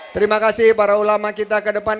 terima kasih para ulama kita ke depan